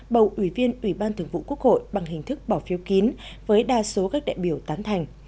bầu ủy viên ủy ban thường vụ quốc hội bằng hình thức bỏ phiếu kín với đa số các đại biểu tán thành